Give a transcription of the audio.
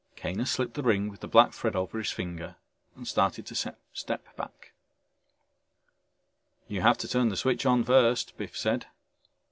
Kaner slipped the ring with the black thread over his finger and started to step back. "You have to turn the switch on first," Biff said.